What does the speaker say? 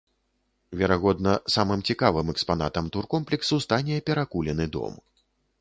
Верагодна, самым цікавым экспанатам туркомплексу стане перакулены дом.